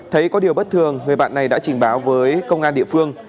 thấy có điều bất thường người bạn này đã trình báo với công an địa phương